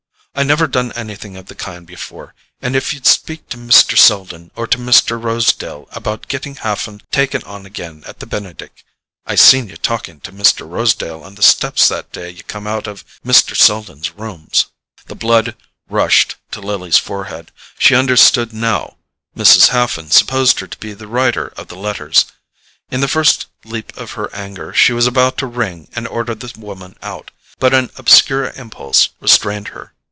I never done anythin' of the kind before, and if you'd speak to Mr. Selden or to Mr. Rosedale about getting Haffen taken on again at the Benedick—I seen you talking to Mr. Rosedale on the steps that day you come out of Mr. Selden's rooms——" The blood rushed to Lily's forehead. She understood now—Mrs. Haffen supposed her to be the writer of the letters. In the first leap of her anger she was about to ring and order the woman out; but an obscure impulse restrained her.